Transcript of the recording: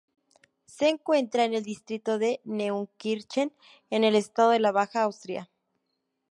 Se encuentra en el distrito de Neunkirchen, en el estado de la Baja Austria.